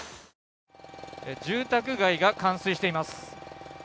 住宅街が冠水しています。